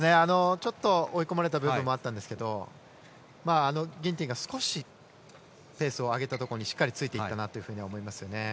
ちょっと追い込まれた部分もあったんですけどギンティンが少しペースを上げたところにしっかりついていったと思います。